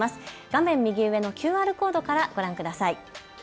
画面右上のＱＲコードからご覧ください。